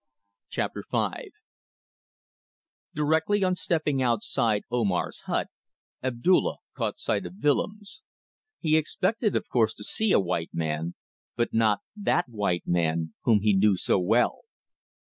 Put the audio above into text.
CHAPTER FIVE Directly on stepping outside Omar's hut Abdulla caught sight of Willems. He expected, of course, to see a white man, but not that white man, whom he knew so well.